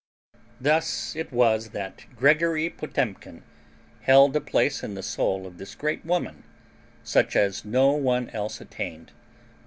Thus it was that Gregory Potemkin held a place in the soul of this great woman such as no one else attained.